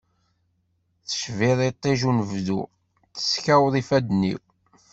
Tecbiḍ iṭij unebdu, teskaweḍ ifadden-iw.